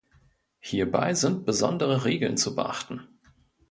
Hierbei sind besondere Regeln zu beachten.